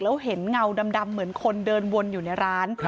แล้วเห็นเงาดำเหมือนคนเดินวนอยู่ในร้าน